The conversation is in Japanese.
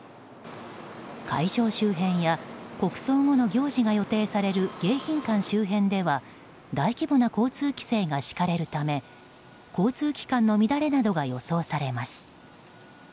会場周辺や国葬後の行事が予定される迎賓館周辺では大規模な交通規制が敷かれるため交通機関の乱れなどが予想されます。